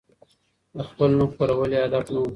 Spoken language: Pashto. د خپل نوم خپرول يې هدف نه و.